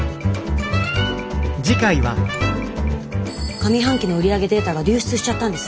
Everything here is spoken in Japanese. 上半期の売り上げデータが流出しちゃったんです。